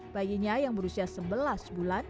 bayinya yang berusia sebelas bulan